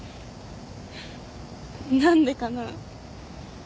何でかな。